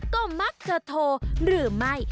ก็มักจะโทรหรือไม่